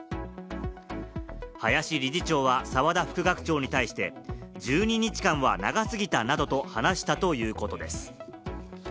林理事長は澤田副学長に対して、１２日間は長すぎたなどと話したということです。